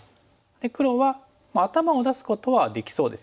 で黒は頭を出すことはできそうですよね。